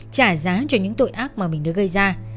trả giá cho những tội ác mà mình đã gây ra